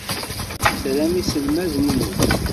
Tram iselmaden-nwen?